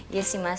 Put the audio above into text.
iya sih mas